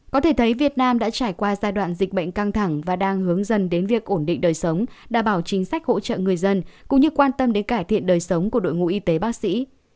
có thể thấy việt nam đã trải qua giai đoạn dịch bệnh căng thẳng và đang hướng dần đến việc ổn định đời sống đảm bảo chính sách hỗ trợ người dân cũng như quan tâm đến cải thiện đời sống của đội ngũ y tế bác sĩ